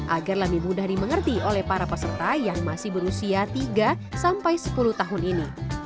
agar lebih mudah dimengerti oleh para peserta yang masih berusia tiga sampai sepuluh tahun ini